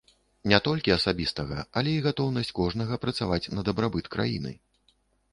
Не толькі асабістага, але і гатоўнасць кожнага працаваць на дабрабыт краіны.